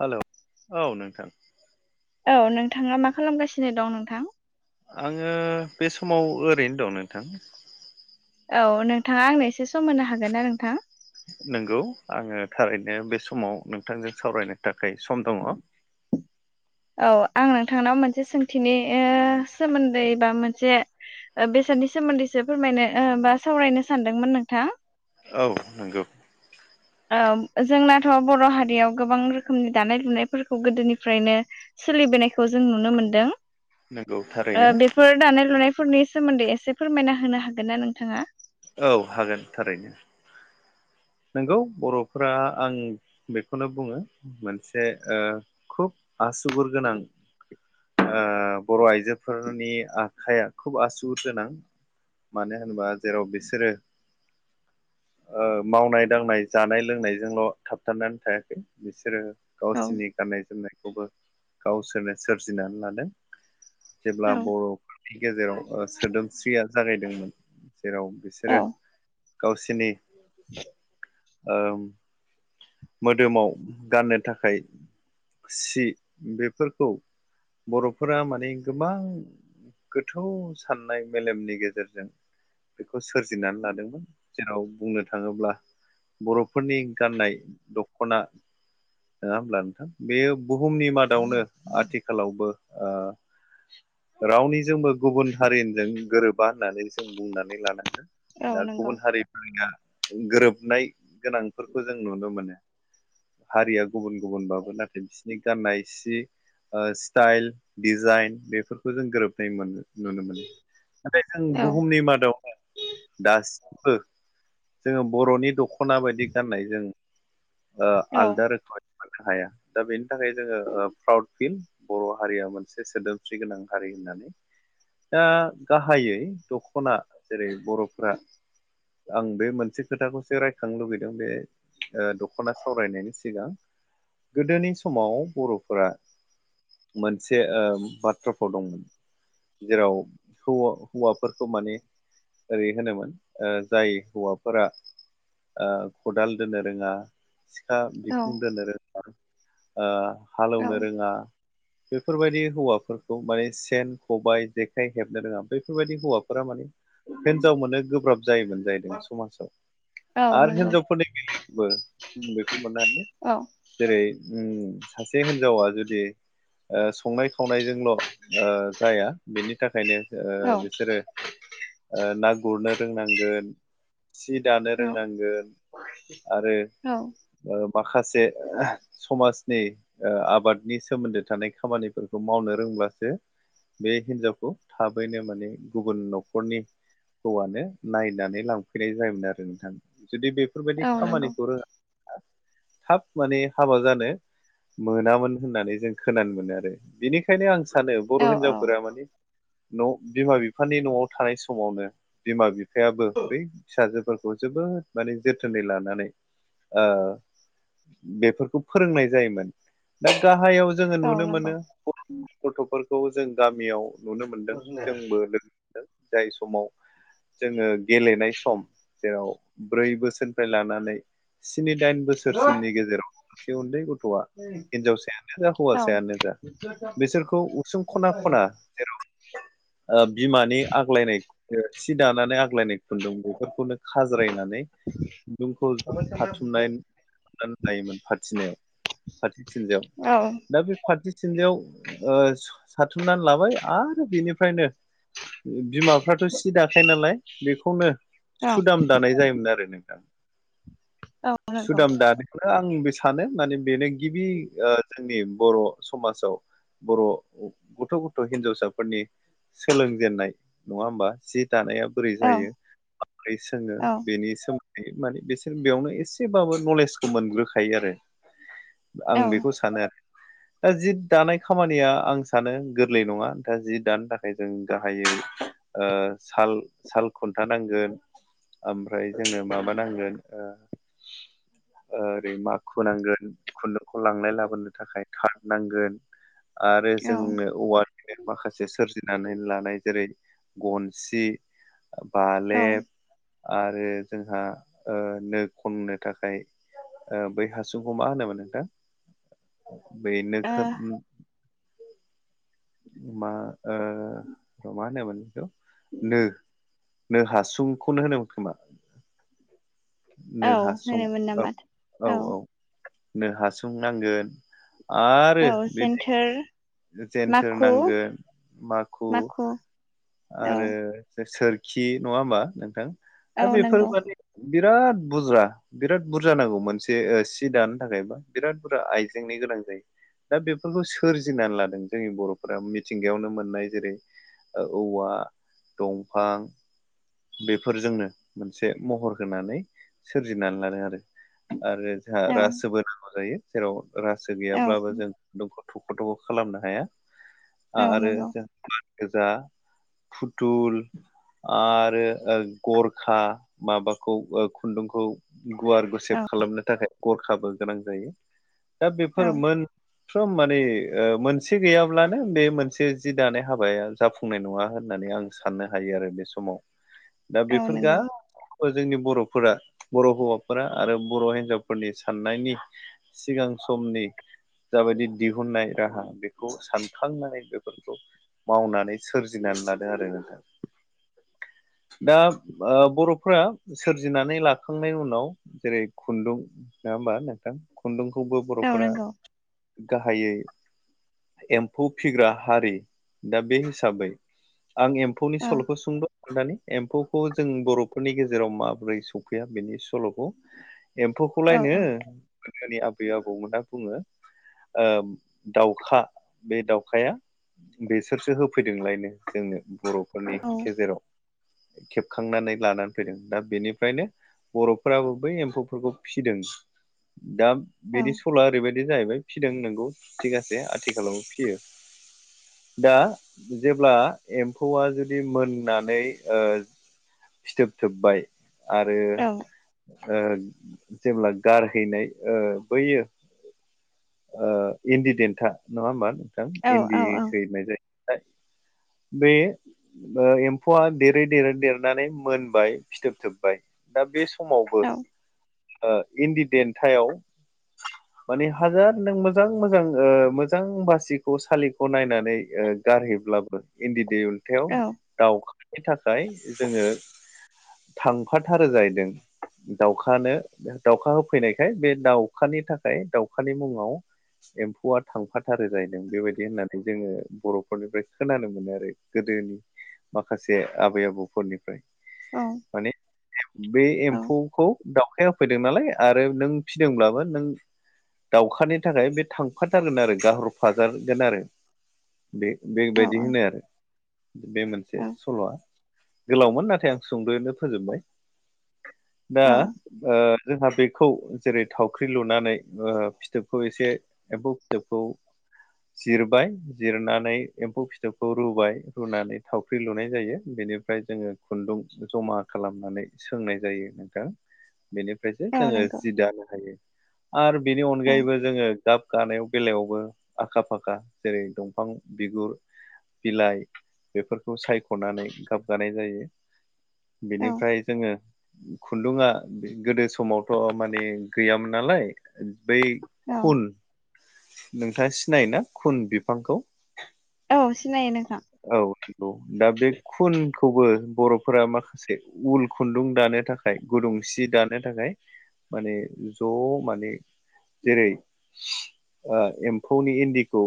Hello औ नोंथां औ नोंथाङा मा खालामगासिनो दं नोंथां आङो बे समाव ओरैनो दं नोंथां औ नोंथाङा आंनो एसे सम होनो हागोन ना नोंथां नंगौ आङो थारैनो बे समाव नोंथांजों सावरायनो थाखाय सम दङ औ आं नोंथांनाव मोनसे सोंथिनि ओ सोमोनदै बा मोनसे बेसादनि सोमोनदैसो फोरमायनो ओ बा सावरायनो सानदोंमोन नोंथां औ नंगौ जोंनाथ' बर' हारियाव गोबां रोखोमनि दानाय-लुनायफोरखौ गोदोनिफ्रायनो सोलिबोनायखौ जों नुनो मोनदों। नंगौ थारैनो बेफोर दानाय लुनायफोरनि सोमोनदै एसे फोरमायना होनो हागोन ना नोंथाङा? औ हागोन थारैनो। नोंगौ बर'फोरा आं बेखौनो बुङो मोनसे ओ खुब आसुगुर गोनां ओ बर' आइजोफोरनि आखाइया खुब आसुगुर गोनां। मानो होनोबा जेराव बिसोरो ओ मावनाय-दांनाय, जानाय-लोंनायजोंल' थाबथानानै थायाखै बिसोरो। औ गावसिनि गाननाय-जोमनायखौबो गावसोरनो सोरजिनानै लादों जेब्ला औ बर'फोर नि गेजेराव सोदोमस्रिया जागायदोंमोन जेराव औ बिसोरो। गावसिनि [unintelligible] ओ मोदोमाव गाननो थाखाय सि बेफोरखौ बर'फोरा माने गोबां। गोथौ साननाय मेलेमनि गेजेरजों बेखौ सोरजिनानै लादोंमोन जेराव बुंनो थाङोब्ला बर'फोरनि गाननाय दख'ना नङा होनब्ला नोंथां बेयो बुहुमनि मादावनो आथिखालावबो [inaudible] रावनिजोंबो गुबुन हारिनिजों गोरोबा होननानै जों बुंनानै लानाङो। औ दा नंगौ गुबुन हारिफोरया गोरोबनाय गोनांफोरखौ जों नुनो मोनो। हारिया गुबुन गुबुनबाबो नाथाय बिसोरनि गाननाय सि स्टाइल डिजाइन बेफोरखौ जों गोरोबनाय मोनो। नुनो मोनो नाथाय जों औ बुहुमनि मादाव। दासिमबो जोङो बर'नि दख'ना बायदि गाननाय जों ओ औ आलदा रोखोमै मोननो हाया दा बेनि थाखाय जोङो प्राउड फिल बर' हारिया मोनसे सोदोमस्रि गोनां हारि होननानै। दा गाहायै दख'ना जेरै बर'फ्रा आं बे मोनसे खोथाखौसो रायखांनो लुुबैदों बे ओ दख'ना सावरायनायनि सिगां गोदोनि समाव बर'फोरा मोनसे बाथ्राफोराव दंमोन जेराव हौवाफोरखौ माने ओरै होनोमोन जाय हौवाफोरा ओ खदाल दोनो रोङा सिखा औ बिखुं दोननो रोङा औ हालौवनो रोङा बेफोरबायदि हौवाफोरखौ माने सेन खबायाइ जेखाइ हेबनो रोङा बेफोरबायदि हौवाफोरा माने हिनजाव मोननो गोब्राब जायोमोन। जाहैदों समाजाव औ आरो नंगौ हिनजावफोरनि गेबो बेखौ मोननो औ ह जेरै उम सासे हिनजावा जुदि संनाय खावनायजोंल' ओ जाया बिनि थाखायनो ओ औ बिसोरो ओ ना गुरनो रोंनांगोन सि दानो औ रोंनांगोन आरो औ माखासे समाजनि आबादनि सोमोन्दो थानाय खामानिफोरखौ मावनो रोंब्लासो बे हिनजावखौ थाबैनो माने गुबुन न'खरनि हौवनो नायनानै लांफैनाय जायोमोन आरो नोंथां जुदि औ बेफोरबायदि नंगौ खामानिखौ रोङा थाब माने हाबा जानो मोनामोन होननानै जों खोनानो मोनो आरो बिनिखायनो आं सानो औ बर' औ हिनजावफोरा माने ओ न' बिमा बिफानि न'आव थानाय समावनो बिमा बि बिफायाबो बै फिसाजोफोरखौ जोबोद माने जोथोनै लाना नानै बेफोरखौ फोरोंनाय जायोमोन दा गाहायाव जोङो नुनो मोनो गथ'फोरखौ जों गामियाव नुनो मोनदों जोंबो लोगो [unintelligible] जाय समाव जोङो गेलेनाय सम जेराव ब्रै बोसोरनिफ्राय लाना नै स्नि दाइन बोसोरसिमनि गेजेराव सासे उन्दै गथ'आ हिनजावसायानो जा औ हौवासायानो जा बिसोरखौ उसुं खना खना जेर बिमानि आग्लायनाय सि दानानै आग्लायनाय खुन्दुं बेफोरखौनो खाज्रायनानै [inaudible] खुन्दुंखौ ज' खाथुमनाय दोननाय मोनफाथिनो फाथो थिलियाव औ दा बे फाथोथिलियाव साथुमनानै लाबाय आरो बेनिफ्रायनो बिमाफ्राथ' सि दाखायो नालाय बेखौनो औ सुदाम दानाय जायोमोन आरो नों औ नंगौ सुदाम दानायायखौनो आंबो सानो माने बेनो गिबि जोंनि बर' समाजाव बर' गथ' गथ' हिनजावसाफोरनि सोलोंजेननाय नङा होमबा जि दानाया बोरै औ जायो बोरै सोङो औ बेनि सोमोन्दै माने बिसोर बेयावनो एसेबाबो नलेजखौ मोनग्रोखायो आरो औ आं बेखौ सानो आरो [inaudible] दा जि दानाय खामानिया आं सानो गोरलै नङा दा जि दानो थाखाय जों गाहायै साल साल खुन्था नांगोन ओमफ्राय जोंनो माबा नांगोन ओरै माखु नांगोन खुन्दुंखौ लांनाय लाबोनो थाखाय थार्ड नांगोन आरो जोंनो औवा माखासे सोरजिनानै लानाय जेरै गनसि औ ओ औ बालेब आरो जोंहा नो खननो थाखाय बै हासुंखौ मा होनोमोन नोंथां बै नो [unintelligible] मा ओ मा होनोमोमोन बेखौ नो नों हासुंखौनो होनोमोन खोमा नो हासुं होनोमोन औ नामा औ औ नो हासुं नांगोन आरो औ बिदि जेन्थोर जेन्थोर माखु नांगोन माखु औ आरो सोरखि नङा होमबा नोंथां औ दा नंगौ बेफोरबादि बिराद बुज्रा बिराद बुरजा नांगौ मोनसे सि दानो थाखायबा बिराद बुरजा आइजेंनि गोनां जायो दा बेफोरखौ सोरजिनानै लादों जोंनि बर'फोरा मिथिंगायावनो मोननाय जेरै औवा दंफां बेफोरजोंनो मोनसे महर होनानै सोरजिनानै लादों आरो आरो जोंहा औ रासोबो नांगौ जायो जेराव रासो औ गैयाब्लाबो जों दंख' थख' थख' खालामनो हाया औ आरो नंगौ बानगोजा फुथुल आरो गरखा माबाखौ खुन्दुंखौ गुवार औ गुसेब खालामनो थाखाय गरखाबो गोनां जायो दा औ बेफोर मोन फ्रोम माने मोनसे गैयाब्लानो बे मोनसे जि दानाय हाबाया जाफुं नाय नङा होननानै आं साननो हायो आरो बे समाव दा औ बेफोर गा नंगौ जोंनि बर'फोरा बर' हौवाफोरा आरो बर' हिनजावफोरनि साननायनि सिगां समनि जाबायदि दिहुननाय राहा बेखौ सानखांनानै बेफोरखौ मावनानै सोरजिनानै लादों आरो नोंथां [inaudible] दा बर'फोरा सोरजिनानै लाखांनायनि उनाव जेरै खुन्दुं नङा होमबा नोंथां खुन्दुंखौबो औ बर'फोरा नंगौ गाहायै एम्फौ फिसिग्रा हारि दा बे हिसाबै हिसाबै आं एम्फौनि औ सल'खौ सोंदों खोन्थानि एम्फौखौ जों बर'फोरनि गेजेराव माबोरै सौफैया बेनि सल'खौ औ एम्फौखौलायनो गोदोनि आबै आबौमोना बुङो दाउखा बे दाउखाया बेसोरसो होफै होफैदोंलायनो जोंनो बर'फोरनि औ गेजेराव खेबखांनानै लानानै फैदों दा बेनिफ्रायनो बर'फोराबो बै एम्फौफोरखौ फिसिदों दा औ बिनि सल' ओरैबायदि बिदि जाहैबाय फिसिदों नोंगौ थिग आसे आथिखालाव फिसियो दा जेब्ला एम्फौआ जुदि मोननानै फिथोब थोबबाय आरो औ जेब्ला गारहैनाय बैयो इन्दि देन्था नङा होमबा नोंथां औ इन्दि हैनाय जायो बे एम्फौआ देरै देरै देरनानै मोनबाय फिथोब थोबबाय दा बे समावबो औ इन्दि देन्थायाव माने हाजार नों मोजां मोजां मोजां बासिखौ सालिखौ नायनानै गारहैब्लाबो इन्दि देन्थायाव दाउखानि थाखाय जोङो थांफाथारो जाहैदों दाउखानो दाउखा होफैनायखाय बे दाउखानि थाखाय दाउ दाउखानि मुङाव एम्फौआ थांफाथारो जाहैदों बेबायदि होननानै जोङो बर निफ्राय खोनानो मोनो आरो गोदोनि माखासे आबै आबौफोरनिफ्राय माने बे एम्फौखौ दाउखाया होफैदों नालाय आरो नों फिसिदोंब्लाबो नों दाउखानि थाखाय बे थांफाथारगोन आरो गारहरफाजागोन आरो बे बे [unintelligible] बायदि होनो आरो बे मोनसे सल'आ गोलावमोन नाथाय आं सुंद'यैनो फोजोबबाय दा जोंहा बेखौ जेरै थावख्रि लुनानै फिथोबखौ एसे एम्फौ फिथोबखौ जिरबाय जिरनानै एम्फौ फिथोबखौ रुबाय रुनानै थावख्रि लुनाय जायो बेनि ओमफ्राय जोङो खुन्दुं जमा खालामनानै सोंनाय जायो नोंथां बेनिफ्रायसो जोङो नंगौ जि दानो हायो आरो बेनि उनाव अनगायैबो जोङो गाब गानाय बेलायावबो आखा फाखा जेरै दंफां बिगुर बिलाइ बेफोरखौ सायख'नानै गाब गानाय जायो औ बेनिफ्राय जोङो खुन्दुङआ गोदो समावथ' माने गैयामोन नालाय बै औ खुन नोंथाङा सिनायोना खुन बिफांखौ औ सिनायो नोंथां औ दा बे खुनखौबो बर'फोरा मा [unintelligible] से उल खुन्दुं दानो थाखाय गुदुंसि दानो थाखाय माने ज' माने जेरै एम्फौनि इन्दिखौ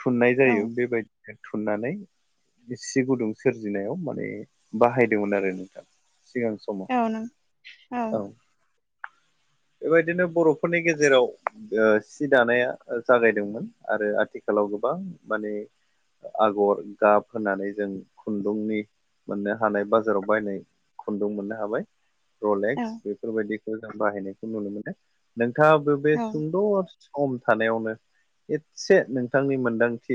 थुननाय औ जायो बेबायदिनो थुननानै सि गुदुं सोरजिनायाव माने बाहायदोंमोन आरो नोंथां सिगां समाव औ नों समाव औ [unintelligible] बेबायदिनो बर'फोरनि गेजेराव सि दानाया जागायदोंमोन आरो आथिखाल आथिखालाव गोबां माने आगर गाब होनानै जों खुन्दुंनि मोननो हानाय बाजाराव बायनाय खुन्दुं मोननो हाबाय औ लेक्स बेफोरबायदिखौ जों बाहायनायखौ नुनो मोनो नोंथाङा बे बे सुंदर सिखम थानायावनो एसे नोंथांनि मोनदांथि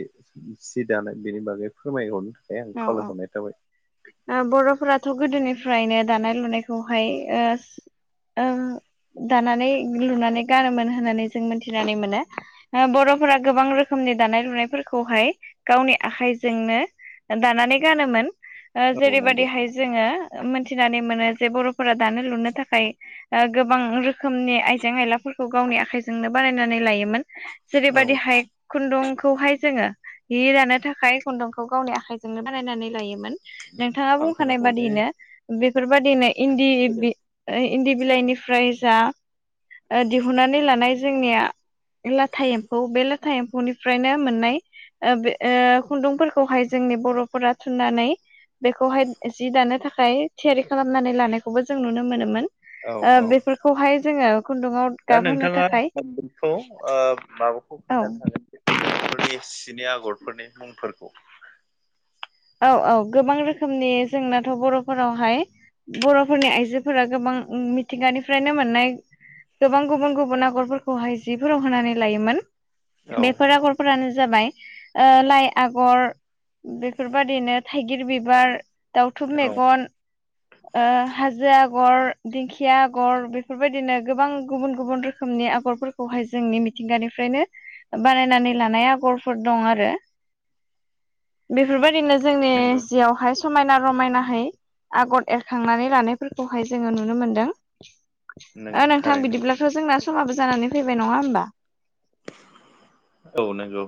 सि दानाय बेनि बागै फोरमायहरनो थाखाय आं औ औ खावलायहरनाय थाबाय बर'फोराथ' गोदोनिफ्रायनो दानाय लुनायखौहाय दानानै लुनानै गानोमोन होननानै जों मोनथिनानै मोनो बर'फोरा गोबां रोखोमनि दानाय लुनायफोरखौहाय गावनि आखाइजोंनो दानानै गानोमोन औ नंगौ जेरैबायदिहाय जोङो मोनथिनानै मोनो जे बर'फोरा दानो लुनो थाखाय गोबां रोखोमनि आइजें आयलाफोरखौ गावनि आखाइजोंनो बानायनानै लायोमोन औ जेरैबायदिहाय खुन्दुंखौहाय जोङो हि दानो थाखाय खुन्दुंखौ गावनि आखाइ जोंनो बानायनानै लायोमोन नोंथाङा बुंखानाय थांखानांगौलै बादिनो बेफोरबाददिनो इन्दि गोदो इन्दि बिलाइनिफ्राय जा दिहुननानै लानाय जोंनिया लाथा एम्फौ बे लाथा एम्फौनिफ्रायनो मोननाय बे खुन्दुंफोरखौहाय जोंनि बर'फोरा थुननानै बेखौहाय जि दानो थाखाय थियारि खालामनानै लानायखौबो जों नुनो मोनोमोन औ औ बेफोरखौहाय जोङो खुन्दुाव दा नोंथाङाखौ माबाखौ औ खोन्थानो हागोन फोरनि सिनि आगरफोरनि मुंफोरखौ औ औ गोबां रोखोमनि जोंनाथ' बर'फोरावहाय बर'फोरनि आइजोफोरा गोबां मिथिंगानिफ्रायनो मोननाय गोबां गुबुन गुबुन आगरफोरखौहाय जिफोराव होनानै लायोमोन औ बेफोर आगरफोरानो जाबाय लाइ आगर बे बेफोरबायदिनो थाइगिर बिबार दाउथुब औ मेगन हाजो आगर दिंखिया आगर बेफोरबायदिनो गोबां गुबुन गुबुन रोखोमनि आगरफोरखौ खौहाय जोंनि मिथिंगानिफ्रायनो बानायनानै लानाय आगरफोर दं आरो बेफोरबायदिनो जोंनि नंगौ जियावहाय समायना रमायनाहै आगर एरखांनानै लानायफोरखौहाय जोङो नुनो मोनदों नंगौ नोंथां थारैनो बिदिब्ला थ' जोंना समाबो जानानै फैबाय नङा होनोमबा औ नंगौ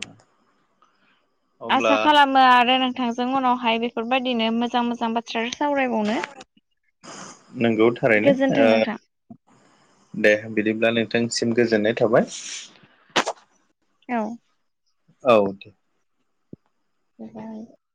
अब्ला आसा खालामो आरो नोंथांजों उनावहाय बेफोरबायदिनो मोजां मोजां बाथ्रा सावराय नंगौ थारैनो गोजोन्थों दे बिदिब्ला नोंथांसिम गोजोननाय थाबाय औ औ दे बेफ्राय